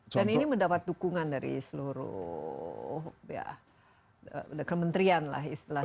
dan ini mendapat dukungan dari seluruh ya kementerian lah istilahnya